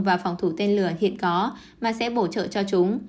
và phòng thủ tên lửa hiện có mà sẽ bổ trợ cho chúng